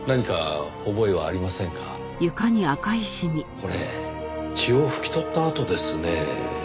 これ血を拭き取った跡ですねぇ。